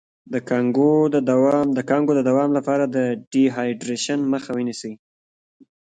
د کانګو د دوام لپاره د ډیهایډریشن مخه ونیسئ